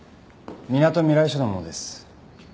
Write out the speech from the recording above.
みなとみらい署の者です。